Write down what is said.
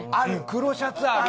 黒シャツある！